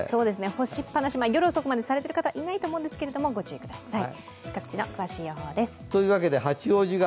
干しっぱなし、夜遅くまでされている方いないと思いますが、ご注意ください。